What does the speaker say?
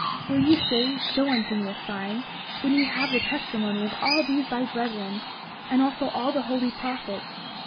Will ye say, Show unto me a sign, when ye have the testimony of all these thy brethren, and also all the holy prophets?